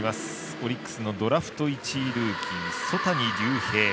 オリックスのドラフト１位ルーキー曽谷龍平。